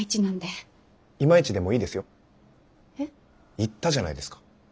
言ったじゃないですか。